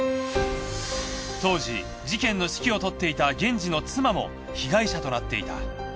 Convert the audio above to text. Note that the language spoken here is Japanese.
当時事件の指揮を執っていた源次の妻も被害者となっていた。